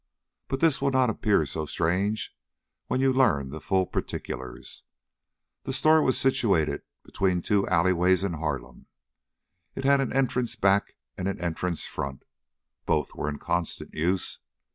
But this will not appear so strange when you learn the full particulars. The store was situated between two alley ways in Harlem. It had an entrance back and an entrance front. Both were in constant use.